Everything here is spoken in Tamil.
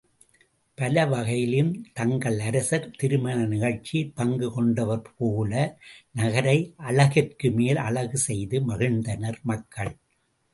பலவகையிலும் தங்கள் அரசர் திருமண நிகழ்ச்சியிற் பங்கு கொண்டவர்போல நகரை அழகிற்குமேல் அழகு செய்து மகிழ்ந்தனர் மக்கள்.